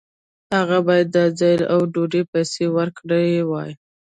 هغه باید د ځای او ډوډۍ پیسې ورکړې وای.